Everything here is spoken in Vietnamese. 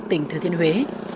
tỉnh thừa thiên huế